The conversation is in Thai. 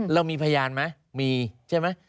เรามีพยานไหมมีใช่ไหม